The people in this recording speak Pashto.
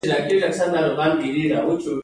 دغه کسان د خلکو د ځواک سمبولونه وو.